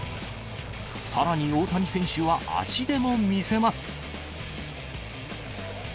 さらに大谷選手は足でも見せます。